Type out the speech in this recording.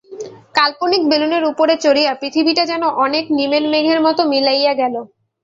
কাল্পনিক বেলুনের উপরে চড়িয়া পৃথিবীটা যেন অনেক নিমেন মেঘের মতো মিলাইয়া গেল।